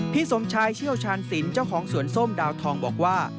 พี่สมชายเชี่ยวชาญสินเจ้าของสวนส้มดาวทองบอกว่า